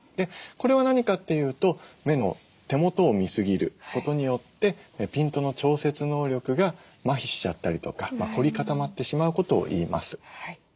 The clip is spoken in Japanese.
これは何かっていうと目の手元を見過ぎることによってピントの調節能力がまひしちゃったりとか凝り固まってしまうことをいいます。